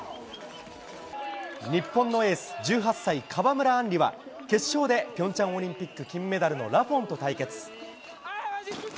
日本のエース、１８歳、川村あんりは、決勝で、ピョンチャンオリンピック金メダルのラフォンと対決。